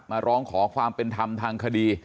มาร้องขอความเป็นธรรมทางคดี